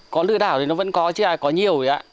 có lừa đảo thì nó vẫn có chứ ai có nhiều vậy ạ